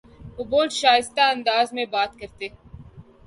وہ بہت شائستہ انداز میں بات کرتے